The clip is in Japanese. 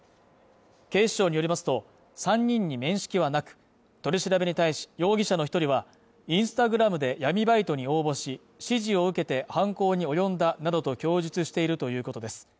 警視庁によりますと、３人に面識はなく、取り調べに対し、容疑者の１人はインスタグラムで闇バイトに応募し、指示を受けて犯行に及んだなどと供述しているということです。